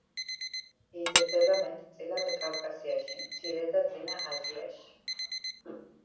იზრდება მეტწილად კავკასიაში, მცირე და წინა აზიაში.